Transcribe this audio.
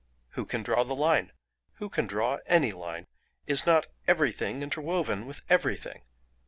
Who can draw the line? Who can draw any line? Is not everything interwoven with everything?